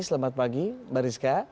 selamat pagi mbak rizka